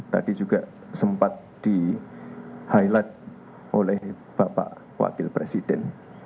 tadi juga sempat di highlight oleh bapak wakil presiden